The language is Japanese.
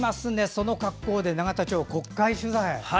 その格好で永田町、国会取材！